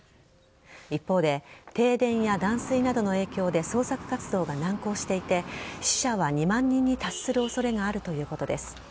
一方で停電や断水などの影響で捜索活動が難航していて死者は２万人に達する恐れがあるということです。